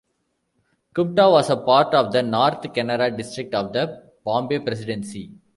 Kumta was a part of the North Kanara district of the Bombay Presidency.